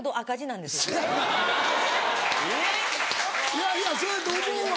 ・いやいやそうやと思うわ